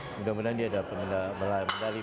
mudah mudahan dia dapat melalui